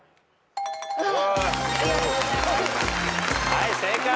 はい正解。